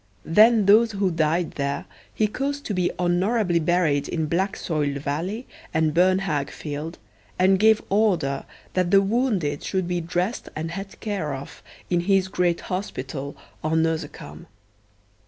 Then those who died there he caused to be honourably buried in Black soile valley and Burn hag field, and gave order that the wounded should be dressed and had care of in his great hospital or nosocome.